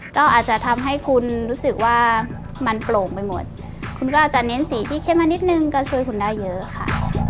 ก็อาจจะทำให้คุณรู้สึกว่ามันโปร่งไปหมดคุณก็อาจจะเน้นสีที่เข้มมานิดนึงก็ช่วยคุณได้เยอะค่ะ